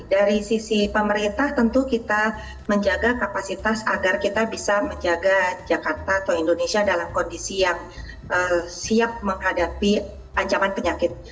dari sisi pemerintah tentu kita menjaga kapasitas agar kita bisa menjaga jakarta atau indonesia dalam kondisi yang siap menghadapi ancaman penyakit